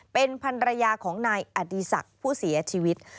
เป็นพันรยาของนายอดีศักดิ์ผู้เสียชีวิต